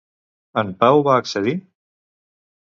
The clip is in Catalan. En Pau va accedir?